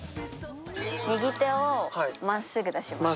右手をまっすぐ出します。